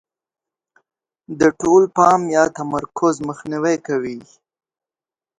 د ټول پام یا تمرکز مخنیوی کوي.